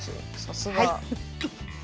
さすが！